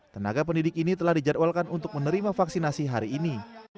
tenaga pendidik ini telah dijadwalkan untuk menerima vaksinasi hari ini